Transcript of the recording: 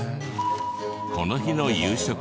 この日の夕食は。